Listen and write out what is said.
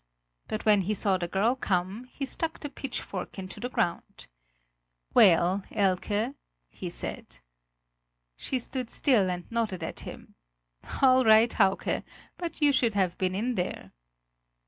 But when he saw the girl come, he stuck the pitchfork into the ground. "Well, Elke!" he said. She stood still and nodded at him: "All right, Hauke but you should have been in there!"